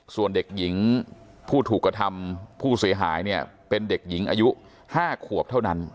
ส่วนเด็กหญิงผู้ถูกกระทำผู้เสียหายเนี่ยเป็นเด็กหญิงอายุ๕ขวบเท่านั้น